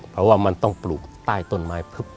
เพราะว่ามันต้องปลูกใต้ต้นไม้พึบ